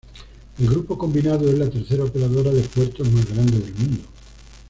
El grupo combinado es la tercera operadora de puertos más grande del mundo.